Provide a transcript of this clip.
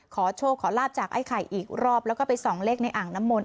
ขอโชคขอลาบจากไอ้ไข่อีกรอบแล้วก็ไปส่องเลขในอ่างน้ำมนต